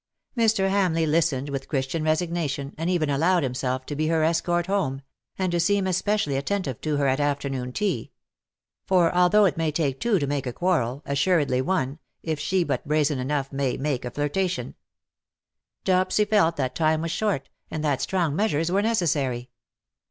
Mr. Hamleigh listened with Christian resignation, and even allowed himself to be her escort home — and to seem especially attentive to her at afternoon tea : for although it may take two to make a quarrel, assuredly one, if she be but brazen enough, may mak3 a flirtation, Dopsy felt that time was short, and that strong 249 measures were necessary.